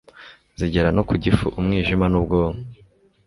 zigera no ku gifu umwijima nubwonko